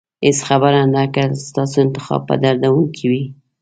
هېڅ خبره نه ده که ستاسو انتخاب به دردونکی وي.